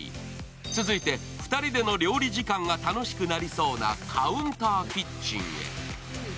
続いて、２人での料理時間が楽しくなりそうなカウンターキッチンへ。